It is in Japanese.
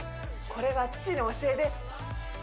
これは父の教えです